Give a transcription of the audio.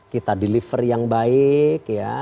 kita deliver yang baik